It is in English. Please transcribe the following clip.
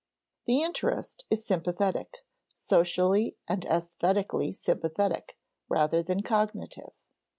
The interest is sympathetic, socially and æsthetically sympathetic, rather than cognitive.